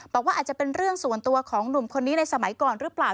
บอกว่าอาจจะเป็นเรื่องส่วนตัวของหนุ่มคนนี้ในสมัยก่อนหรือเปล่า